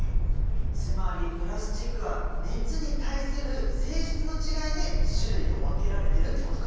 つまりプラスチックは熱に対する性質の違いで種類が分けられてるってことか。